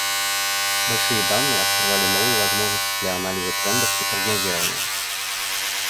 Большие данные открывали новые возможности для анализа трендов и прогнозирования.